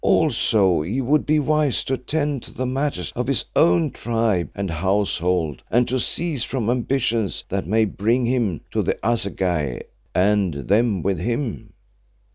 Also he would be wise to attend to the matters of his own tribe and household and to cease from ambitions that may bring him to the assegai, and them with him."